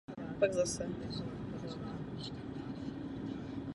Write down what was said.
Takové dokumenty se nazývají "falešně pozitivní nález".